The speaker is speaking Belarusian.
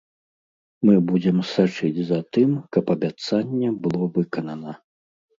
Мы будзем сачыць за тым, каб абяцанне было выканана.